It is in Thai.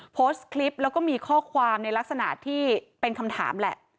โพสต์คลิปแล้วก็มีข้อความในลักษณะที่เป็นคำถามแหละ